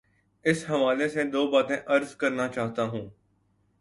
اس حوالے سے دو باتیں عرض کرنا چاہتا ہوں۔